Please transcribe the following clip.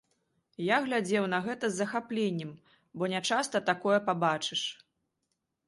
Я глядзеў на гэта з захапленнем, бо нячаста такое пабачыш.